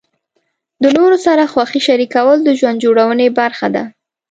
د نورو سره خوښۍ شریکول د ژوند جوړونې برخه ده.